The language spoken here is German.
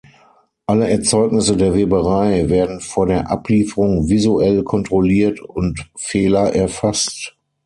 Alle Erzeugnisse der Weberei werden vor der Ablieferung visuell kontrolliert und Fehler erfasst.